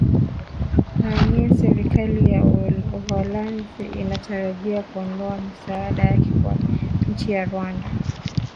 ania serikali ya uholanzi inatarajia kuondoa misaada yake kwa nchi ya rwanda